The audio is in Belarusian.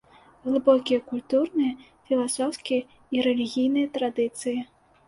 Глыбокія культурныя, філасофскія і рэлігійныя традыцыі.